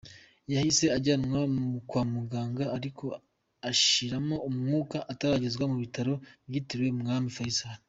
Yahise ajyanwa kwa muganga ariko ashiramo umwuka ataragezwa mu Bitaro byitiriwe Umwami Faisal.